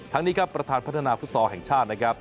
นี้ครับประธานพัฒนาฟุตซอลแห่งชาตินะครับ